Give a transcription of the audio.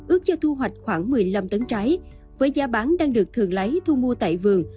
ước cho thu hoạch khoảng một mươi năm tấn trái với giá bán đang được thường lái thu mua tại vườn